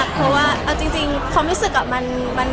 เพราะว่าเอาจริงความรู้สึก